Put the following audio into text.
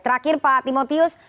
terakhir pak timotius